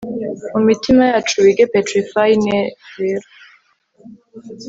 mumitima yacu, wige petrify rero ,